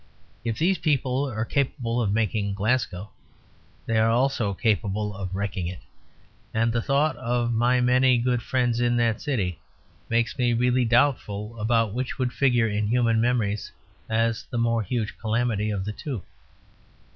If these people are capable of making Glasgow, they are also capable of wrecking it; and the thought of my many good friends in that city makes me really doubtful about which would figure in human memories as the more huge calamity of the two.